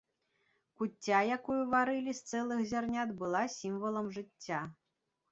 Куцця, якую варылі з цэлых зярнят, была сімвалам жыцця.